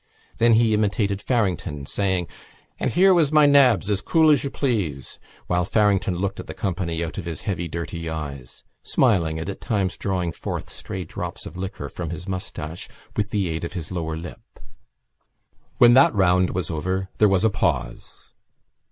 Then he imitated Farrington, saying, "And here was my nabs, as cool as you please," while Farrington looked at the company out of his heavy dirty eyes, smiling and at times drawing forth stray drops of liquor from his moustache with the aid of his lower lip. When that round was over there was a pause.